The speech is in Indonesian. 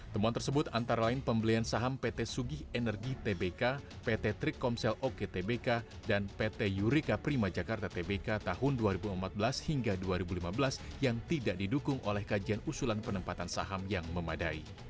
temuan tersebut antara lain pembelian saham pt sugih energi tbk pt trik komsel oke tbk dan pt yurika prima jakarta tbk tahun dua ribu empat belas hingga dua ribu lima belas yang tidak didukung oleh kajian usulan penempatan saham yang memadai